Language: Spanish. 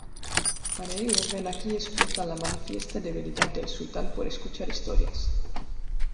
Para ello, Ven Aquí explota la manifiesta debilidad del sultán por escuchar historias.